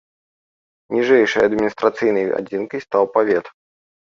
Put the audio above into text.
Ніжэйшай адміністрацыйнай адзінкай стаў павет.